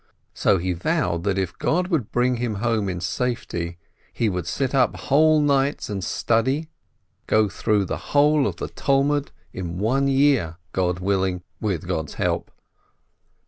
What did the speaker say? So he vowed that if God would bring him home in safety, he would sit up whole nights and study, go through the whole of the Talmud in one year, God willing, with God's help.